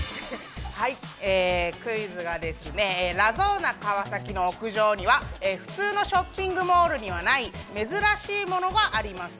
クイズがラゾーナ川崎の屋上には普通のショッピングモールにはない珍しいものがあります。